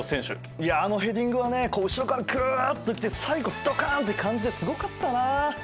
いやあのヘディングはねこう後ろからグッと来て最後ドカンって感じですごかったなあ。